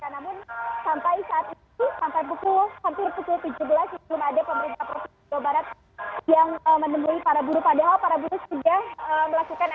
namun sampai saat ini sampai pukul tujuh belas belum ada pemerintah provinsi jawa barat yang menemui para buruk padahal para buruk sudah melakukan aksi bebo atau aksi unjuk rasanya